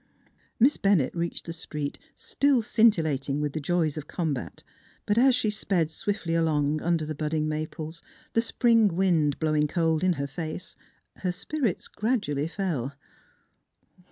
Miss Bennett reached the street still scintillat ing with the joys of combat. But as she sped swiftly along under the budding maples, the spring wind blowing cold in her face, her spirits grad ually fell.